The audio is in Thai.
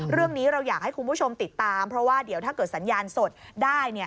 เรื่องนี้เราอยากให้คุณผู้ชมติดตามเพราะว่าเดี๋ยวถ้าเกิดสัญญาณสดได้เนี่ย